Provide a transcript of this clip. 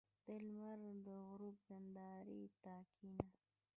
• د لمر د غروب نندارې ته کښېنه.